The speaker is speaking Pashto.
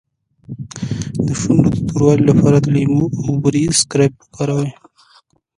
د شونډو د توروالي لپاره د لیمو او بورې اسکراب وکاروئ